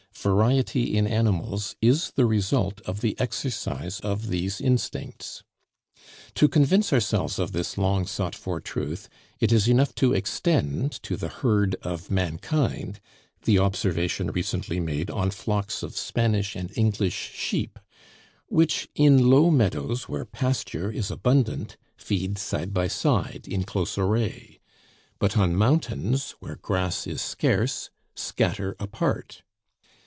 Variety in animals is the result of the exercise of these instincts. To convince ourselves of this long sought for truth, it is enough to extend to the herd of mankind the observation recently made on flocks of Spanish and English sheep which, in low meadows where pasture is abundant, feed side by side in close array, but on mountains, where grass is scarce, scatter apart.